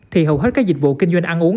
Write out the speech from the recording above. thì hầu hết các dịch vụ kinh doanh ăn uống